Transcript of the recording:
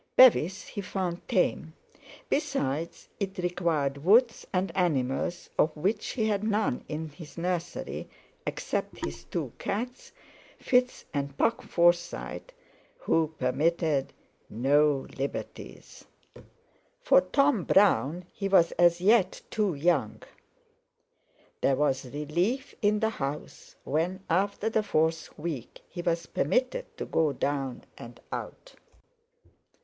Bevis he found tame; besides, it required woods and animals, of which he had none in his nursery, except his two cats, Fitz and Puck Forsyte, who permitted no liberties. For Tom Brown he was as yet too young. There was relief in the house when, after the fourth week, he was permitted to go down and out.